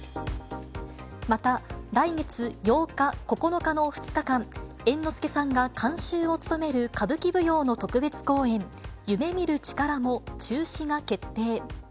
また、来月８日、９日の２日間、猿之助さんが監修を務める歌舞伎舞踊の特別公演、夢見る力も中止が決定。